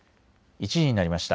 １時になりました。